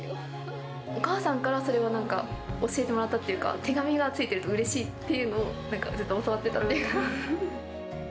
お母さんからそれはなんか、教えてもらったっていうか、手紙がついてるとうれしいっていうのを、なんかずっと教わってたっていうか。